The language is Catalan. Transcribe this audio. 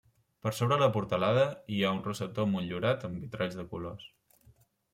Per sobre la portalada hi ha un rosetó motllurat amb vitralls de colors.